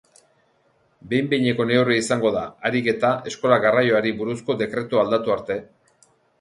Behin-behineko neurria izango da, harik eta eskola-garraioari buruzko dekretua aldatu arte.